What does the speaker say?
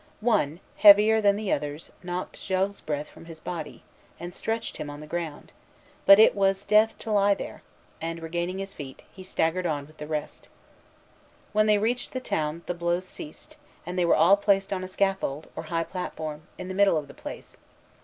One, heavier than the others, knocked Jogues's breath from his body, and stretched him on the ground; but it was death to lie there, and, regaining his feet, he staggered on with the rest. When they reached the town, the blows ceased, and they were all placed on a scaffold, or high platform, in the middle of the place.